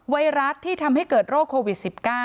ไวรัสที่ทำให้เกิดโรคโควิด๑๙